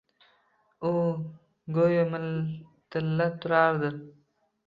U go‘yo miltillab turardi.